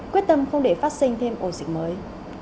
quyết tâm không để phát sinh thêm ổ dịch mới